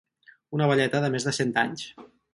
Una velleta de més de cent anys.